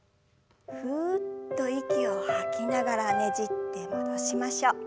ふっと息を吐きながらねじって戻しましょう。